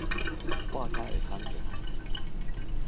喊甲會夯起來